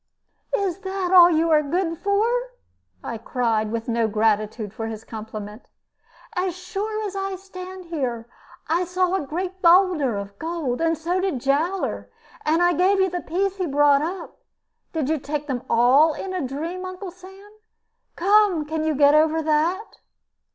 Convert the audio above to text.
"Is that all you are good for?" I cried, with no gratitude for his compliment. "As sure as I stand here, I saw a great bowlder of gold, and so did Jowler, and I gave you the piece that he brought up. Did you take them all in a dream, Uncle Sam? Come, can you get over that?"